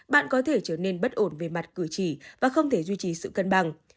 bạn có thể trở nên bất ổn về mặt cử chỉ và không thể duy trì sự cân bằng